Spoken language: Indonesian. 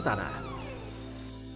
ketika diberi peluang untuk membuat peternakan